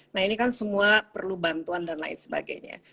nah ini kan semua perlu bantuan dan lain sebagainya